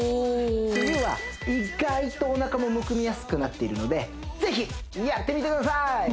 梅雨は意外とお腹もむくみやすくなっているのでぜひやってみてください！